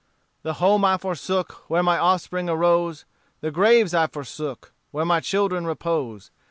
"The home I forsake where my offspring arose; The graves I forsake where my children repose.